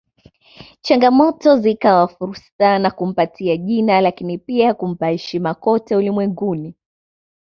Changamoto zikawa fursa na kumpatia jina lakini pia kumpa heshima kote ulimwenguni